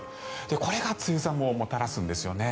これが梅雨寒をもたらすんですよね。